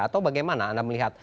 atau bagaimana anda melihat